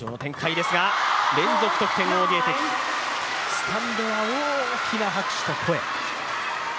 スタンドは大きな拍手と声。